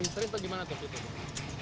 terus bagaimana terus itu